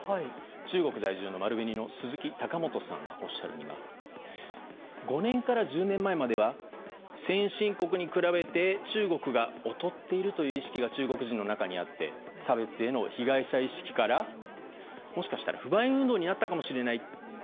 中国在住の丸紅の鈴木貴元さんがおっしゃるには５年から１０年前までは先進国に比べ中国が劣っているという意識が中国人の中にあって差別への被害者意識からもしかしたら不買運動になったかもしれない。